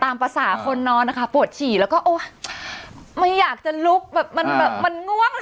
ตามภาษาคนนอนนะคะปวดฉี่แล้วก็โอ๊ยไม่อยากจะลุกแบบมันแบบมันง่วง